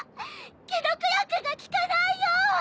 解毒薬が効かないよぉ！